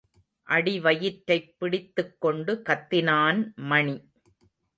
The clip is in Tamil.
அடிவயிற்றைப் பிடித்துக் கொண்டு கத்தினான் மணி.